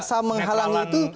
masa menghalangi itu